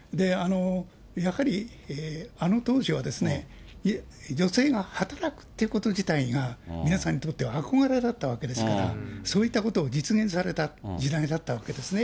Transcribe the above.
やはりあの当時はですね、女性が働くっていうこと自体が、皆さんにとっては憧れだったわけですから、そういったことを実現された時代だったわけですね。